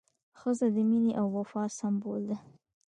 ښځه د مینې او وفا سمبول ده.